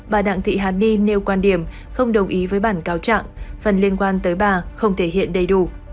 bà đặng thị hàn ni nêu quan điểm không đồng ý với bản cáo trạng phần liên quan tới bà không thể hiện đầy đủ